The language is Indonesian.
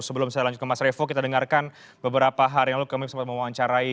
sebelum saya lanjut ke mas revo kita dengarkan beberapa hari yang lalu kami sempat mewawancarai